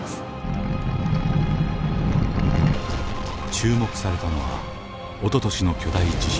注目されたのはおととしの巨大地震。